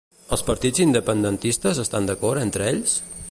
Els partits independentistes estan d'acord entre ells?